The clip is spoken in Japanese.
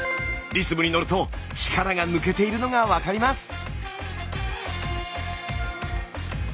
リズムに乗ると力が抜けているのが分かります。